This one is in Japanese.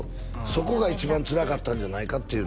そこが一番つらかったんじゃないかって言うのよね